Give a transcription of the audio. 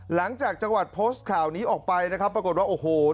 หลังจากจังหวัดโพสต์เท่านี้ออกไปนะครับปรากฏว่าใจการว่าโอโห